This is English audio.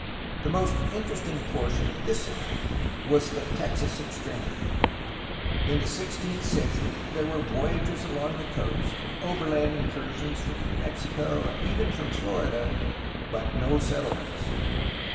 The most interesting portion of this line was the Texas ex tremity. In the sixteenth century there were voyages along the coast and overland incursions from New Mexico and even from Florida, but no settlements.